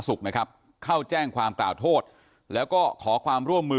สุขนะครับเข้าแจ้งความกล่าวโทษแล้วก็ขอความร่วมมือ